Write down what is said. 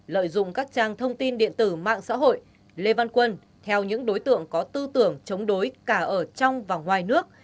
lợi dụng các trang thông tin điện tử mạng xã hội lê văn quân theo những đối tượng có tư tưởng chống đối cả ở trong và ngoài nước